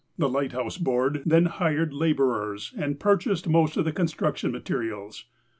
The Lighthouse Board then hired laborers and purchased most of the construction materials.